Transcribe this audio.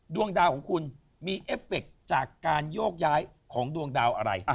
ดวงดาวของคุณมีเอฟเฟคจากการโยกย้ายของดวงดาวอะไร